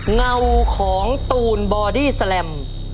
เงาของตูนบอดี้แสลม